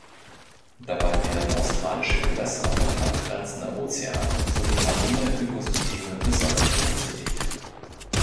Dabei werden australische Gewässer und angrenzende Ozeane sowie marine Ökosysteme besonders berücksichtigt.